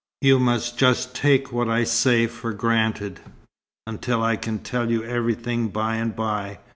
You must just take what I say for granted, until I can tell you everything by and by.